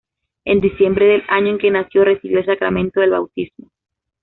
En diciembre del año en que nació, recibió el sacramento del Bautismo.